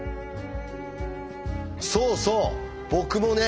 そうそう僕もね